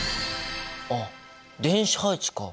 あっ電子配置か！